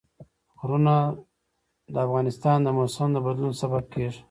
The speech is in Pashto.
غرونه د افغانستان د موسم د بدلون سبب کېږي.